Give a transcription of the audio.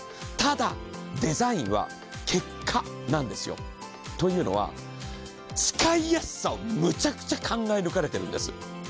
ただデザインは結果なんですよ。というのは使いやすさをむちゃくちゃ考え抜かれてるんです。